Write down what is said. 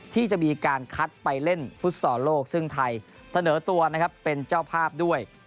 ที่จะมีการคัดไปเล่นฟุตซอลโลกซึ่งไทยเสนอตัวนะครับเป็นเจ้าภาพด้วย